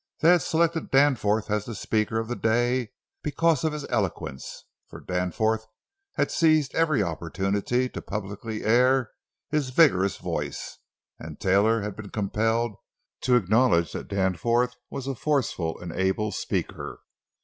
They had selected Danforth as the speaker of the day because of his eloquence—for Danforth had seized every opportunity to publicly air his vigorous voice, and Taylor had been compelled to acknowledge that Danforth was a forceful and able speaker.